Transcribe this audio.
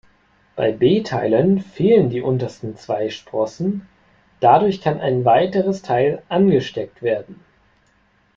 Bei B-Teilen fehlen die untersten zwei Sprossen, dadurch kann ein weiteres Teil angesteckt werden.